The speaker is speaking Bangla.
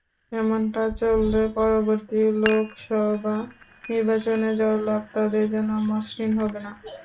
এমনটা চললে পরবর্তী লোকসভা নির্বাচনে জয়লাভ তাদের জন্য মসৃণ হবে না।